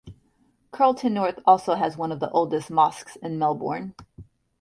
Carlton North also has one of the oldest mosques in Melbourne.